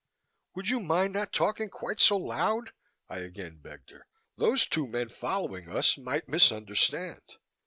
"Would you mind not talking quite so loud," I again begged her. "Those two men following us might misunderstand."